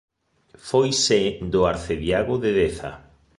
Foi sé do arcediago de Deza.